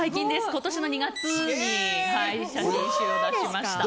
今年の２月に写真集を出しました。